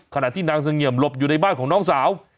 ขณะที่นางเสงี่ยมหลบอยู่ในบ้านของน้องสาว